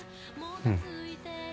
うん。